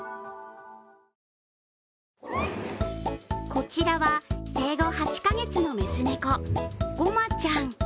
こちらは、生後８か月の雌猫、ごまちゃん。